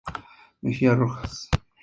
Mejia Rojas.